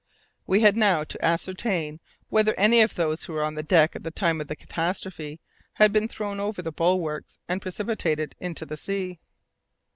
We had now to ascertain whether any of those who were on the deck at the time of the catastrophe had been thrown over the bulwarks and precipitated into the sea?